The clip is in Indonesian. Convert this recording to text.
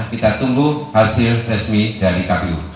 kita tunggu hasil resmi dari kpu